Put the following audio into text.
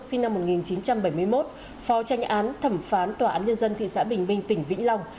sinh năm một nghìn chín trăm bảy mươi một phó tranh án thẩm phán tòa án nhân dân thị xã bình minh tỉnh vĩnh long